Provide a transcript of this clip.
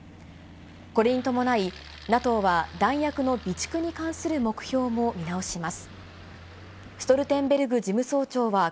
これに伴い、ＮＡＴＯは弾薬の備蓄に関する目標も見直します。